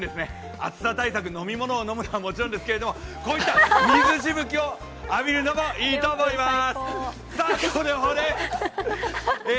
暑さ対策、飲み物を飲むのはもちろんですけどこういった水しぶきを浴びるのもいいと思います。